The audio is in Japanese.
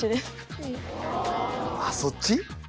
あっそっち？